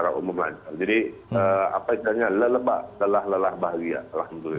leleba lelah lelah bahagia